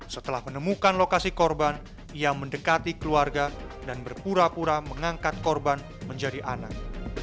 setelah menemukan lokasi korban ia mendekati keluarga dan berpura pura mengangkat korban menjadi anak